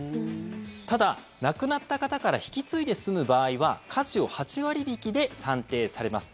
ただ、亡くなった方から引き継いで住む場合は価値を８割引きで算定されます。